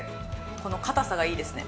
この硬さがいいですね。